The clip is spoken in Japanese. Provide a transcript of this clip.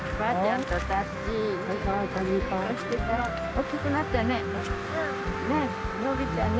大きくなったね。